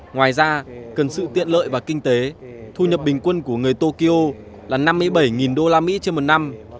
ngoài ra cần sự tiện lợi và kinh tế thu nhập bình quân của người tokyo là năm mươi bảy usd trên một năm